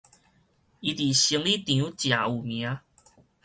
伊佇生理場誠有名